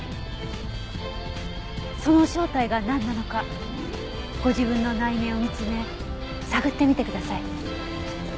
その正体がなんなのかご自分の内面を見つめ探ってみてください。